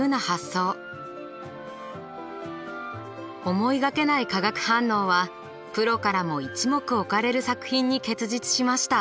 思いがけない化学反応はプロからも一目置かれる作品に結実しました。